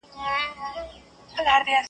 چي له بازه به ورک لوری د یرغل سو .